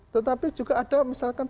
tetapi juga ada misalkan